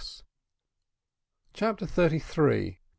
CHAPTER THIRTY THREE.